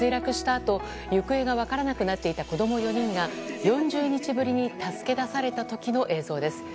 あと行方が分からなくなっていた子供４人が４０日ぶりに助け出された時の映像です。